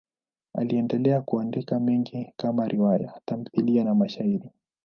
Aliendelea kuandika mengi kama riwaya, tamthiliya na mashairi.